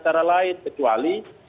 cara lain kecuali